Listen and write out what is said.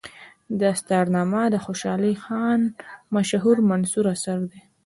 دستارنامه د خوشحال خان مشهور منثور اثر دی.